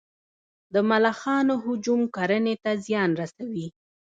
د ملخانو هجوم کرنې ته زیان رسوي